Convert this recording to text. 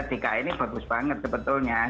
dki ini bagus banget sebetulnya